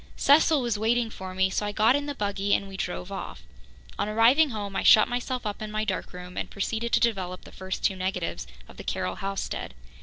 Cecil was waiting for me, so I got in the buggy and we drove off. On arriving home I shut myself up in my dark room and proceeded to develop the first two negatives of the Carroll housestead.